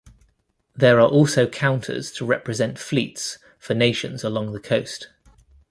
There are also counters to represent fleets for nations along the coast.